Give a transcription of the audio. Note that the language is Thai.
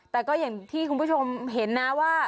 แต่ก็อย่างที่คุณผู้ชมเห็นนะว่า